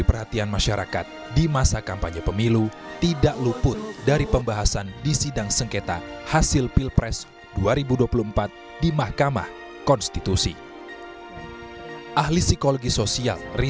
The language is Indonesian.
pemimpin itu yang cool